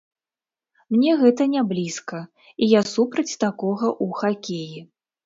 Мне гэта не блізка, і я супраць такога ў хакеі.